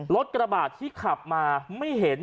กระบาดที่ขับมาไม่เห็น